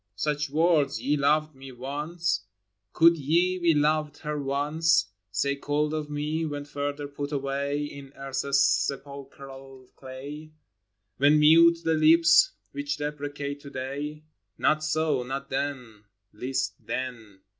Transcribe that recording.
— Such words — ye loved me once / Could ye, " We loved her once ," Say cold of me, when further put away In earth's sepulchral clay? When mute the lips which deprecate to day? — Not so ! not then—least then